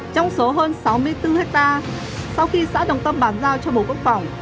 trong số hơn sáu mươi bốn hectare sau khi xã đồng tâm bàn giao cho bộ quốc phòng